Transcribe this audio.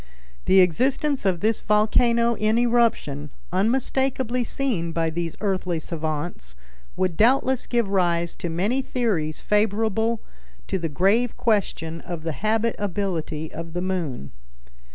The existence of this volcano in eruption, unmistakably seen by these earthly savants, would doubtless give rise to many theories favorable to the grave question of the habitability of the moon.